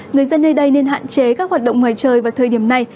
người dân nơi đây nên hạn chế các hoạt động ngoài trời vào thời điểm này